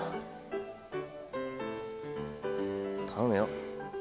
頼むよ。